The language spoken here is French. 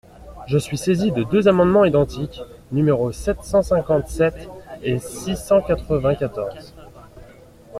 Je suis saisi de deux amendements identiques, numéros sept cent cinquante-sept et six cent quatre-vingt-quatorze.